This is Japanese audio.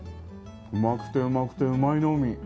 うまくてうまくてうまいのうみ。